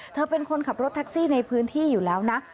เธอเป็นคนขับรถแท็กซี่ในพื้นที่อยู่แล้วนะ